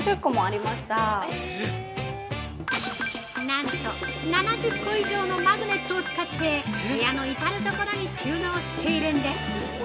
◆なんと７０個以上のマグネットを使って部屋の至る所に収納しているんです。